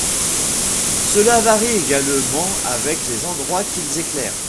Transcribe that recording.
Cela varie également avec les endroits qu'ils éclairent.